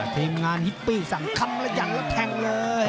ทีมงานฮิปปี้สั่งคำละยันแล้วแทงเลย